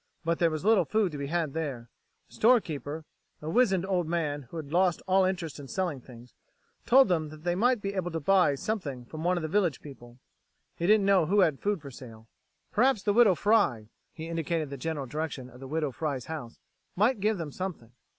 But there was little food to be had there. The storekeeper, a wizened old man who had lost all interest in selling things, told them that they might be able to buy something from one of the village people he didn't know who had food for sale. Perhaps the Widow Fry he indicated the general direction of the Widow Fry's house might give them something.